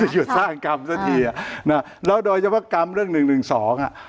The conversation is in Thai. หยุดสร้างกรรมซะทีอ่ะนะแล้วโดยเฉพาะกรรมเรื่องหนึ่งหนึ่งสองอ่ะ